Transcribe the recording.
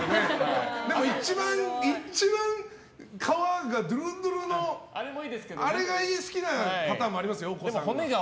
でも、一番皮がドゥルンドゥルンのあれが好きなパターンもありますから、お子さんが。